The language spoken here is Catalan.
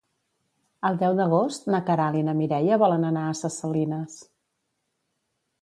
El deu d'agost na Queralt i na Mireia volen anar a Ses Salines.